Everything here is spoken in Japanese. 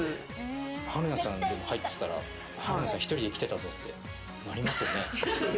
春菜さん入ってたら、春菜さん１人で来てたぞってなりますよね。